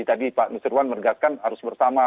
tadi pak mr iwan meragakan harus bersama